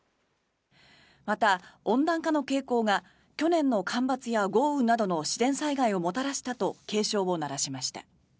また、温暖化の傾向が去年の干ばつや豪雨などの自然災害をもたらしたと警鐘を鳴らしました。